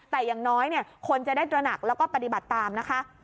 แต่อย่างน้อยคนจะได้ตระหนักแล้วก็ปฏิบัติตามนะคะ